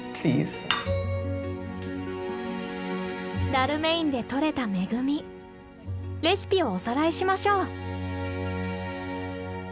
ダルメインでとれた恵みレシピをおさらいしましょう。